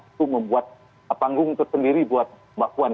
itu membuat panggung tersendiri buat mbak puan